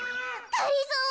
がりぞー！